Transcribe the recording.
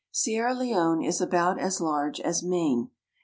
Sierra Leone is about as large as Maine.